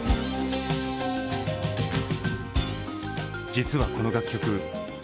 実はこの楽曲